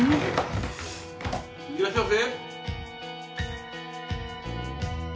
・・いらっしゃいませ。